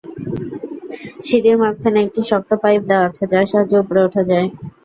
সিঁড়ির মাঝখানে একটি শক্ত পাইপ দেওয়া আছে, যার সাহায্যে ওপরে ওঠা যায়।